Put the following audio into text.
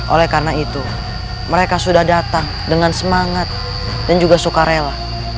oleh karena itu mereka sudah datang dengan semangat dan juga suka rela